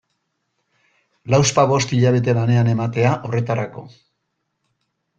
Lauzpabost hilabete lanean ematea horretarako...